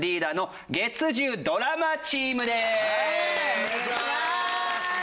お願いします。